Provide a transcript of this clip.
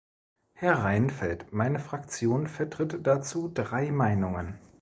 Herr Reinfeldt, meine Fraktion vertritt dazu drei Meinungen.